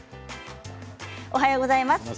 おはようございます。